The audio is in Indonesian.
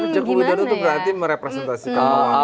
joko widodo itu berarti merepresentasi kamu